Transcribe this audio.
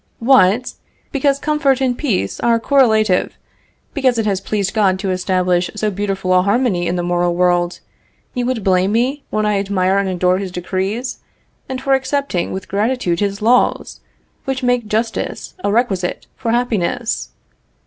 What! because comfort and peace are correlative, because it has pleased God to establish so beautiful a harmony in the moral world, you would blame me when I admire and adore his decrees, and for accepting with gratitude his laws, which make justice a requisite for happiness!